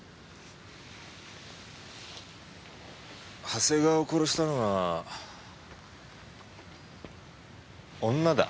長谷川を殺したのは女だ。